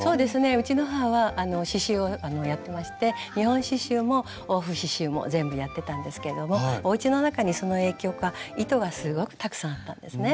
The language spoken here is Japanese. うちの母は刺しゅうをやってまして日本刺しゅうも欧風刺しゅうも全部やってたんですけどもおうちの中にその影響か糸がすごくたくさんあったんですね。